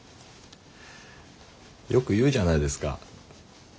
よく言うじゃないですか。